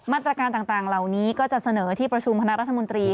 มาตรการต่างเหล่านี้ก็จะเสนอที่ประชุมคณะรัฐมนตรี